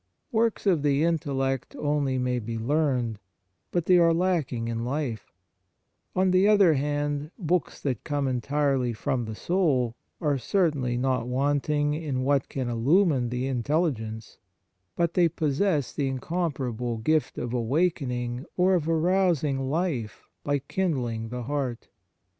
Works of the intellect only may be learned, but they are lacking in life ; on the other hand, books that come entirely from the soul are certainly not wanting in what can illumine the intelligence, but they possess the incomparable gift of awakening or of arousing life by kindling the heart.